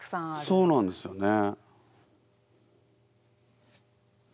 そうなんですよね。